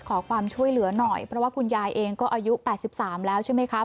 ขอความช่วยเหลือหน่อยเพราะว่าคุณยายเองก็อายุ๘๓แล้วใช่ไหมครับ